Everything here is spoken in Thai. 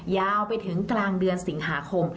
ยาวไปถึงกลางเดือนสิงหาคม